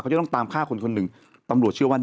จะต้องตามฆ่าคนคนหนึ่งตำรวจเชื่อว่า